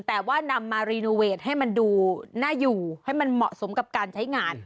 แต่ว่านำมารีโนเวทให้มันดูน่าอยู่ให้มันเหมาะสมกับการใช้งาน